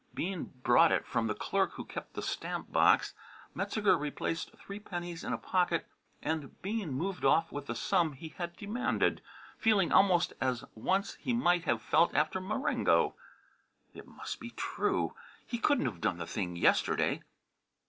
Bean brought it from the clerk who kept the stamp box. Metzeger replaced three pennies in a pocket, and Bean moved off with the sum he had demanded, feeling almost as once he might have felt after Marengo. It must be true! He couldn't have done the thing yesterday.